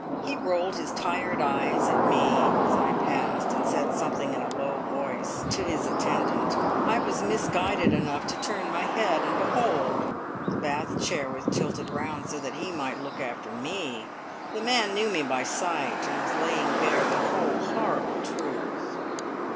He rolled his tired eyes at me as I passed, and said something in a low voice to his attendant. I was misguided enough to turn my head, and behold! the Bath chair was tilted round so that he might look after me. The man knew me by sight, and was laying bare the whole horrible truth.